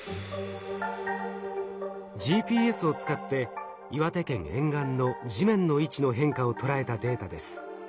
ＧＰＳを使って岩手県沿岸の地面の位置の変化を捉えたデータです。